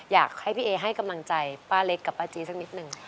อยากให้พี่เอให้กำลังใจป้าเล็กกับป้าจี๊สักนิดนึง